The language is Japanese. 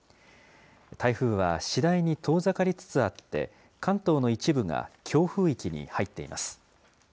台風は次第に遠ざかりつつあって、関東の一部が強風域に入っています。